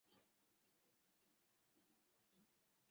minada itafanyika kila baada ya wiki mbili